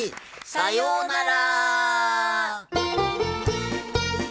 さようなら！